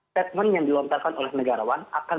statement yang dilontarkan oleh negarawan akan